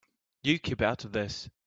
You keep out of this.